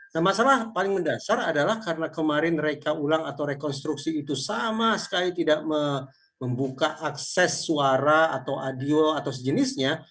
nah masalah paling mendasar adalah karena kemarin reka ulang atau rekonstruksi itu sama sekali tidak membuka akses suara atau adeo atau sejenisnya